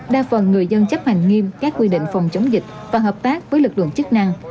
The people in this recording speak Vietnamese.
đa phần người dân chấp hành nghiêm các quy định phòng chống dịch và hợp tác với lực lượng chức năng